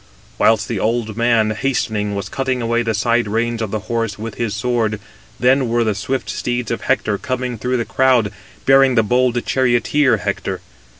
Whilst the old man hastening, was cutting away the side reins of the horse with his sword, then were the swift steeds of Hector coming through the crowd, bearing the bold charioteer Hector.